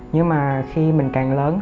nhưng mà khi mình càng lớn